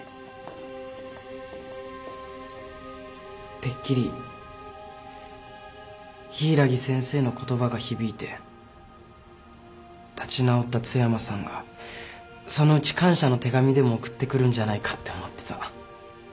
てっきり柊木先生の言葉が響いて立ち直った津山さんがそのうち感謝の手紙でも送ってくるんじゃないかって思ってた。